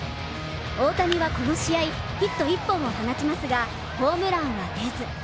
大谷はこの試合、ヒット１本を放ちますが、ホームランはでず。